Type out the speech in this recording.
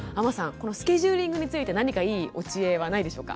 このスケジューリングについて何かいいお知恵はないでしょうか？